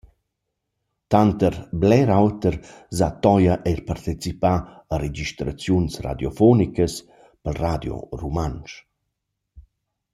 Tanter bler oter s’ha Toia eir partecipà a registraziuns radiofonicas pel Radio Rumantsch.